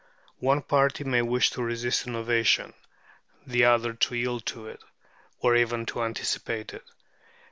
One party may wish to resist innovation, the other to yield to it, or even to anticipate it.